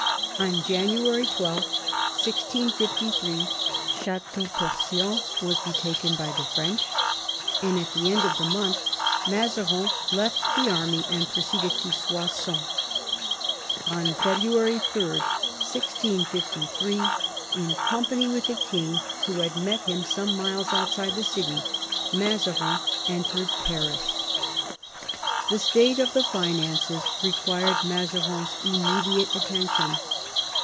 On January 12, 1653, Ch^teau Porcien was retaken by the French, and at the end of the month Mazarin left the army and proceeded to Soissons. On February 3, 1653, in company with the king, who had met him some miles outside the city, Mazarin entered Paris. The state of the finances required Mazarin's immedi ate attention.